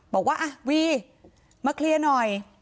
บอกว่าอ่ะวีมาเคลียร์หน่อย